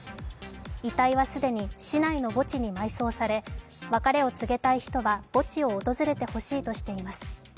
遺体は既に市内の墓地に埋葬され別れを告げたい人は墓地を訪れてほしいとしています。